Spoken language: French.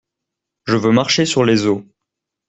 Je veux marcher sur les eaux!